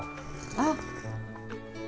あっ。